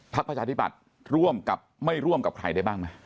ประชาธิบัติร่วมกับไม่ร่วมกับใครได้บ้างไหม